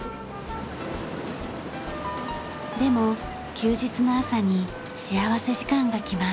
でも休日の朝に幸福時間が来ます。